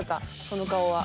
その顔は。